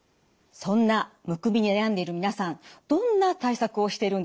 そんなむくみで悩んでいる皆さんどんな対策をしているんでしょうか？